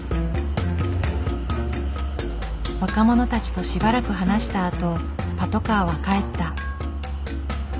若者たちとしばらく話したあとパトカーは帰った。